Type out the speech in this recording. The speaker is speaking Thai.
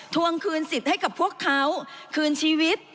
ทวงคืนสิทธิ์ให้กับพวกเขาคืนชีวิต